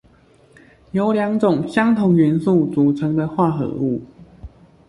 由兩種相同元素組成的化合物